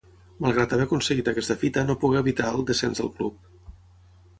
Malgrat haver aconseguit aquesta fita no pogué evitar el descens del club.